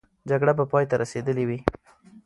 جګړه به پای ته رسېدلې وي.